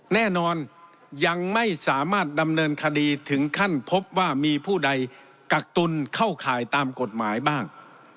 แน่นอนยังไม่สามารถดำเนินคดีถึงขั้นพบว่ามีผู้ใดกักตุลเข้าข่ายตามกฎหมายบ้าง